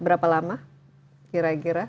berapa lama kira kira